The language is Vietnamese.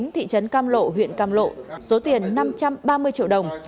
thị trấn cam lộ huyện cam lộ số tiền năm trăm ba mươi triệu đồng